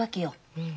うん。